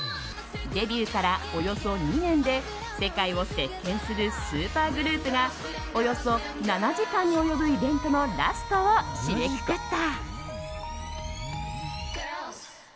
デビューからおよそ２年で世界を席巻するスーパーグループがおよそ７時間に及ぶイベントのラストを締めくくった。